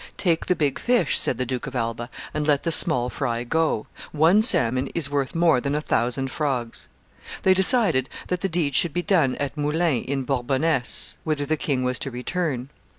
'Take the big fish,' said the Duke of Alba, 'and let the small fry go; one salmon is worth more than a thousand frogs.' They decided that the deed should be done at Moulins in Bourbonness, whither the king was to return.